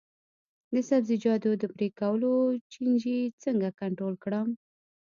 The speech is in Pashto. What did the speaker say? د سبزیجاتو د پرې کولو چینجي څنګه کنټرول کړم؟